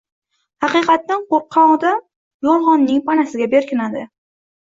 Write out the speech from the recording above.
Haqiqatdan qo‘rqqan odam yolg‘onning panasiga berkinadi.